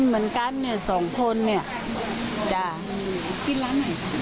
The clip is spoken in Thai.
เพราะไม่เชื่อหรอกว่าเป็นที่ส้มตำ